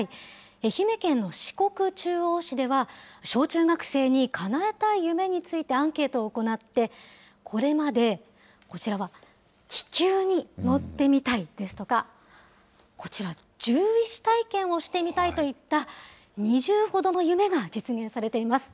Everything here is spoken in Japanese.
愛媛県の四国中央市では、小中学生にかなえたい夢についてアンケートを行って、これまで、こちらは、気球に乗ってみたいですとか、こちら、獣医師体験をしてみたいといった２０ほどの夢が実現されています。